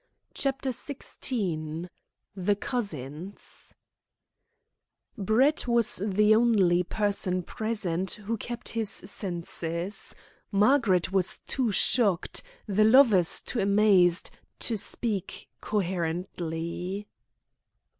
CHAPTER XVI THE COUSINS Brett was the only person present who kept his senses. Margaret was too shocked, the lovers too amazed, to speak coherently.